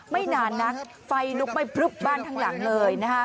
ไม่นานนะไฟลุกไปบ้านทางหลังเลยนะคะ